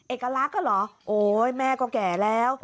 เอกลักษณ์ก็เหรอโอ๊ยแม่ก็แก่แล้ว